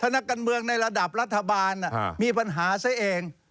นักการเมืองในระดับรัฐบาลมีปัญหาซะเอง